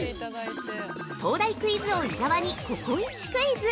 ◆東大クイズ王・伊沢にココイチクイズ！